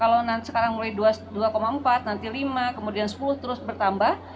kalau sekarang mulai dua empat nanti lima kemudian sepuluh terus bertambah